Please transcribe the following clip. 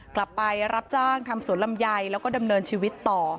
กลับไปรับจ้างทำสวนลำไยแล้วก็ดำเนินชีวิตต่อ